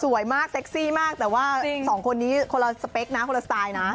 สวยมากเซ็็คซี่มากแต่ว่าสองคนนี้คนล่าแบบแล้วนะ